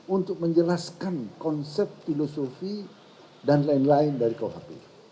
untuk menjelaskan konsep filosofi dan lain lain dari kuhp